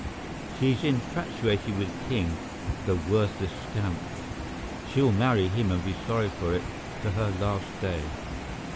She's infatuated with King, the worthless scamp. She'll marry him and be sorry for it to her last day.